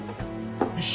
よし。